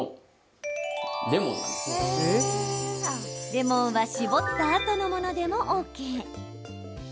レモンは搾ったあとのものでもＯＫ。